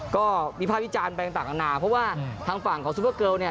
ก็วิภาควิจารณ์ไปต่างนานาเพราะว่าทางฝั่งของซุปเปอร์เกิลเนี่ย